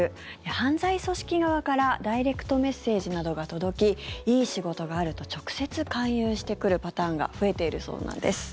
犯罪組織側からダイレクトメッセージなどが届きいい仕事があると直接、勧誘してくるパターンが増えているそうなんです。